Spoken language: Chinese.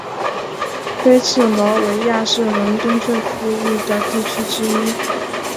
菲茨罗维亚是伦敦最富裕的地区之一。